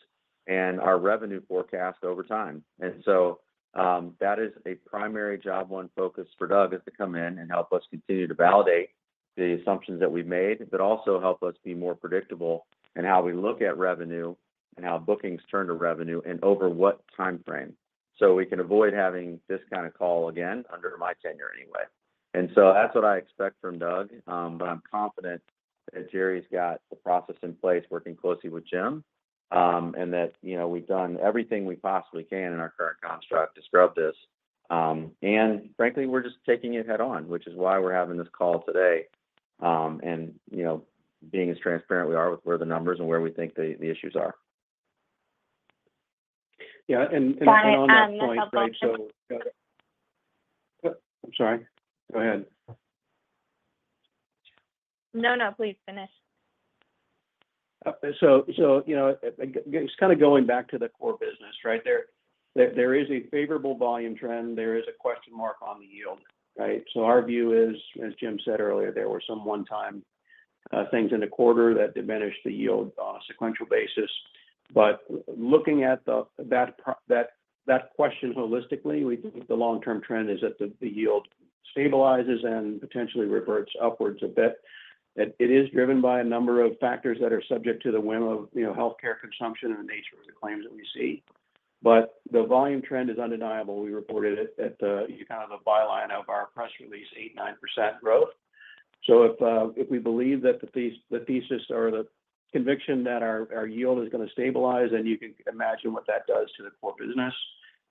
and our revenue forecast over time. That is a primary job one focus for Doug: to come in and help us continue to validate the assumptions that we've made, but also help us be more predictable in how we look at revenue and how bookings turn to revenue and over what time frame. So we can avoid having this kind of call again under my tenure anyway. And so that's what I expect from Doug. But I'm confident that Jerry's got the process in place, working closely with Jim, and that we've done everything we possibly can in our current construct to scrub this. And frankly, we're just taking it head-on, which is why we're having this call today and being as transparent we are with where the numbers and where we think the issues are. Yeah. And from our end, I'm sorry. Go ahead. No, no. Please finish. So just kind of going back to the core business, right? There is a favorable volume trend. There is a question mark on the yield, right? So our view is, as Jim said earlier, there were some one-time things in the quarter that diminished the yield on a sequential basis. But looking at that question holistically, we think the long-term trend is that the yield stabilizes and potentially reverts upwards a bit. It is driven by a number of factors that are subject to the whim of healthcare consumption and the nature of the claims that we see. But the volume trend is undeniable. We reported it at kind of the byline of our press release, 89% growth. So if we believe that the thesis or the conviction that our yield is going to stabilize, then you can imagine what that does to the core business.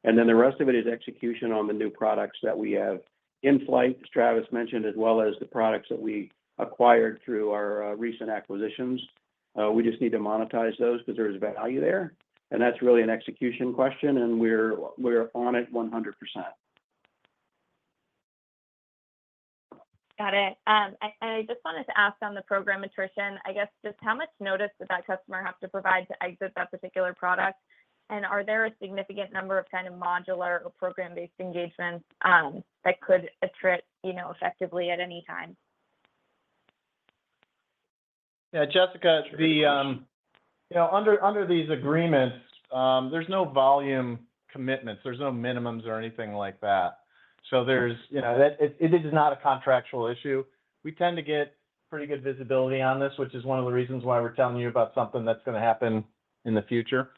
And then the rest of it is execution on the new products that we have in flight, as Travis mentioned, as well as the products that we acquired through our recent acquisitions. We just need to monetize those because there is value there. And that's really an execution question, and we're on it 100%. Got it. And I just wanted to ask on the programmatic, I guess, just how much notice would that customer have to provide to exit that particular product? And are there a significant number of kind of modular or program-based engagements that could attrit effectively at any time? Yeah. Jessica, under these agreements, there's no volume commitments. There's no minimums or anything like that. So it is not a contractual issue. We tend to get pretty good visibility on this, which is one of the reasons why we're telling you about something that's going to happen in the future.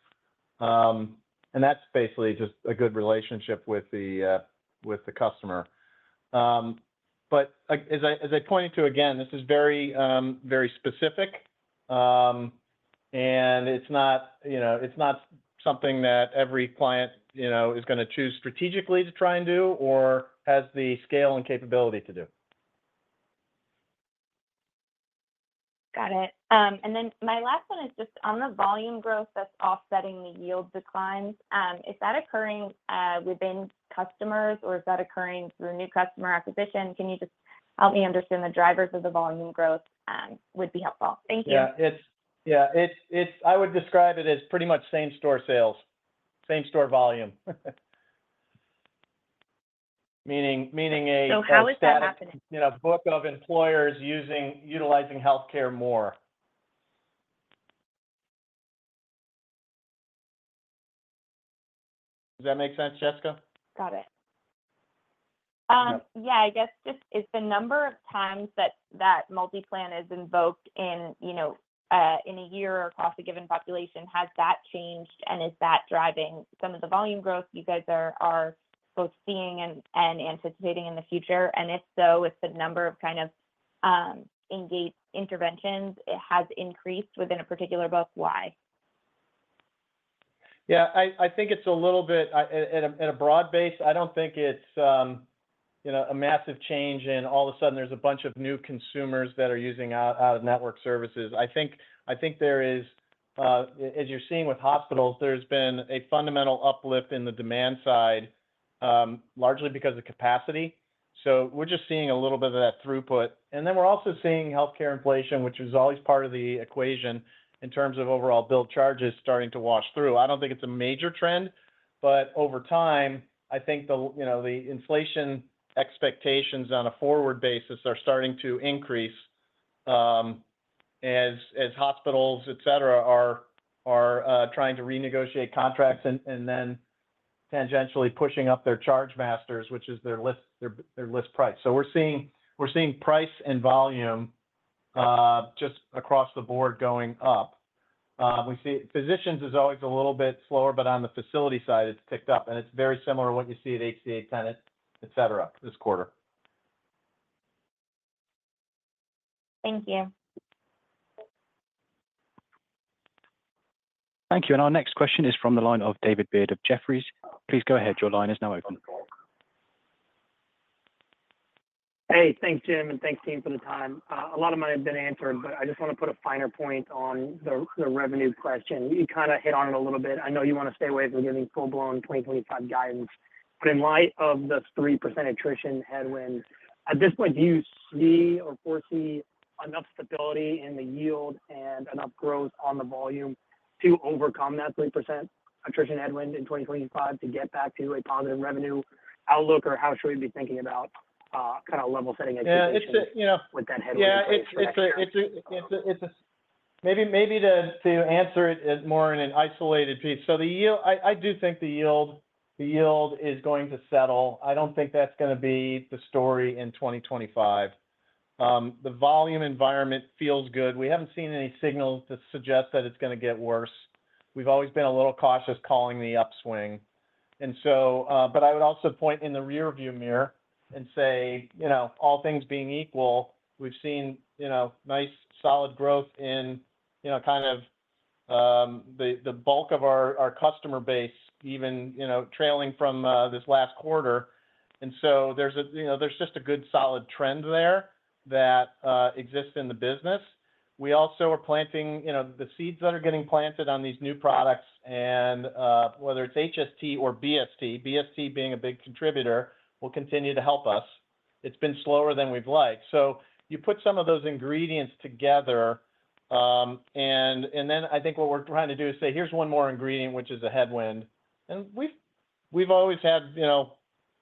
And that's basically just a good relationship with the customer. But as I pointed to, again, this is very specific, and it's not something that every client is going to choose strategically to try and do or has the scale and capability to do. Got it. And then my last one is just on the volume growth that's offsetting the yield declines. Is that occurring within customers, or is that occurring through new customer acquisition? Can you just help me understand the drivers of the volume growth? Would be helpful. Thank you. Yeah. I would describe it as pretty much same-store sales, same-store volume. Meaning a set of. So how is that happening? Book of employers utilizing healthcare more. Does that make sense, Jessica? Got it. Yeah. I guess just is the number of times that that MultiPlan is invoked in a year across a given population, has that changed, and is that driving some of the volume growth you guys are both seeing and anticipating in the future? And if so, if the number of kind of interventions has increased within a particular book, why? Yeah. I think it's a little bit at a broad base. I don't think it's a massive change and all of a sudden there's a bunch of new consumers that are using out-of-network services. I think there is, as you're seeing with hospitals, there's been a fundamental uplift in the demand side, largely because of capacity. So we're just seeing a little bit of that throughput. And then we're also seeing healthcare inflation, which is always part of the equation in terms of overall billed charges starting to wash through. I don't think it's a major trend, but over time, I think the inflation expectations on a forward basis are starting to increase as hospitals, etc., are trying to renegotiate contracts and then tangentially pushing up their charge masters, which is their list price. So we're seeing price and volume just across the board going up. Physicians is always a little bit slower, but on the facility side, it's picked up. It's very similar to what you see at HCA, Tenet, etc., this quarter. Thank you. Thank you. Our next question is from the line of David Beard of Jefferies. Please go ahead. Your line is now open. Hey, thanks, Jim. Thanks, team, for the time. A lot of money has been answered, but I just want to put a finer point on the revenue question. You kind of hit on it a little bit. I know you want to stay away from giving full-blown 2025 guidance. But in light of the 3% attrition headwind, at this point, do you see or foresee enough stability in the yield and enough growth on the volume to overcome that 3% attrition headwind in 2025 to get back to a positive revenue outlook, or how should we be thinking about kind of level-setting execution with that headwind? Yeah. It's a maybe to answer it more in an isolated piece. So I do think the yield is going to settle. I don't think that's going to be the story in 2025. The volume environment feels good. We haven't seen any signals to suggest that it's going to get worse. We've always been a little cautious calling the upswing. But I would also point in the rearview mirror and say, all things being equal, we've seen nice solid growth in kind of the bulk of our customer base, even trailing from this last quarter. And so there's just a good solid trend there that exists in the business. We also are planting the seeds that are getting planted on these new products, and whether it's HST or BST, BST being a big contributor, will continue to help us. It's been slower than we've liked. So you put some of those ingredients together, and then I think what we're trying to do is say, here's one more ingredient, which is a headwind. And we've always had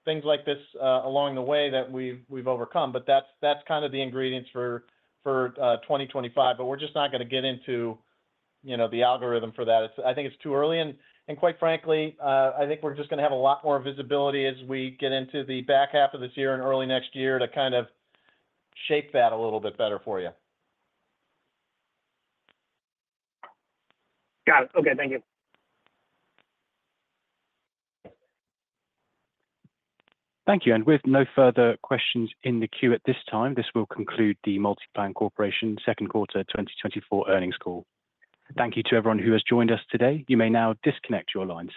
things like this along the way that we've overcome, but that's kind of the ingredients for 2025. But we're just not going to get into the algorithm for that. I think it's too early. Quite frankly, I think we're just going to have a lot more visibility as we get into the back half of this year and early next year to kind of shape that a little bit better for you. Got it. Okay. Thank you. Thank you. With no further questions in the queue at this time, this will conclude the MultiPlan Corporation second quarter 2024 earnings call. Thank you to everyone who has joined us today. You may now disconnect your lines.